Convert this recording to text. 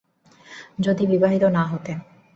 যদি বিবাহিত না হতে।